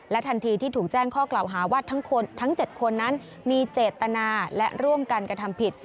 ทันทีที่ถูกแจ้งข้อกล่าวหาว่าทั้ง๗คนนั้นมีเจตนาและร่วมกันกระทำผิด